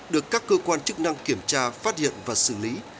được các cơ quan chức năng kiểm tra phát hiện và xử lý